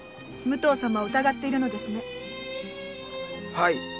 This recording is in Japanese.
はい。